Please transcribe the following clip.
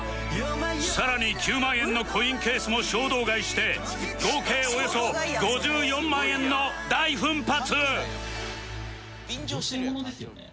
さらに９万円のコインケースも衝動買いして合計およそ５４万円の大奮発！